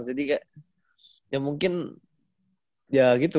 jadi kayak ya mungkin ya gitu